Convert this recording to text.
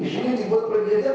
di sini dibuat perjanjian